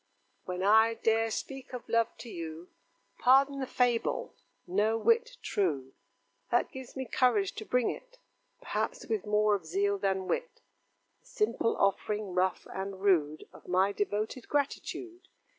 [Illustration: THE LION IN LOVE.] When I dare speak of love to you, Pardon the fable, no whit true, That gives me courage to bring it, Perhaps with more of zeal than wit, A simple offering, rough and rude, Of my devoted gratitude.